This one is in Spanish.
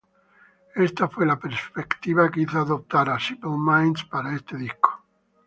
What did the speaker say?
Esta fue la perspectiva que hizo adoptar a Simple Minds para este disco.